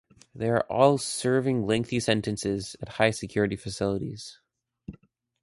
They are all serving lengthy sentences at high-security facilities.